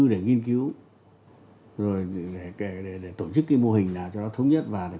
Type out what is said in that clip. cách rồi cái hệ thống